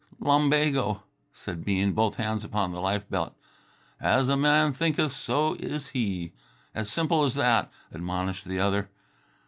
"Lumbago!" said Bean, both hands upon the life belt. "'As a man thinketh, so is he!' As simple as that," admonished the other.